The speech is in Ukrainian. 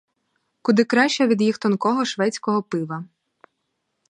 Куди краща від їх тонкого, шведського пива.